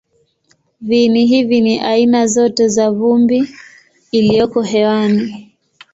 Viini hivi ni aina zote za vumbi iliyoko hewani.